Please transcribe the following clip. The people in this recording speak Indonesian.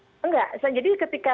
enggak jadi ketika